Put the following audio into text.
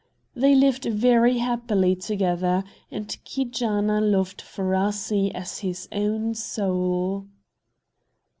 They lived very happily together, and Keejaanaa loved Faaraasee as his own soul.